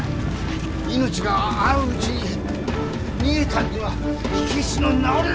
命があるうちに逃げたんでは火消しの名折れだ！